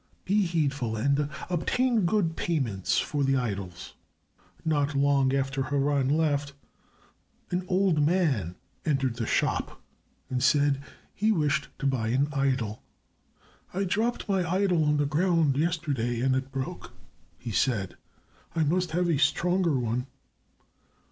Be heedful and obtain good payment for the idols." Not long after Haran left, an old man entered the shop and said he wished to buy an idol. "I dropped my idol on the ground yesterday and it broke," he said. "I must have a stronger one."